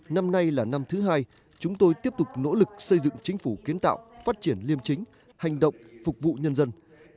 năm nay là năm thứ hai chúng tôi tiếp tục nỗ lực xây dựng chính phủ kiến tạo phát triển liêm chính hành động phục vụ nhân dân